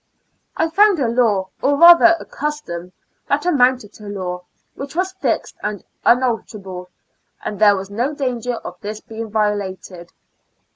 I found a law, or rather a custom that amounted to law, which was fixed and unalterable, and there was no danger of this being violated.